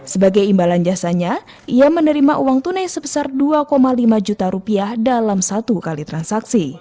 sebagai imbalan jasanya ia menerima uang tunai sebesar dua lima juta rupiah dalam satu kali transaksi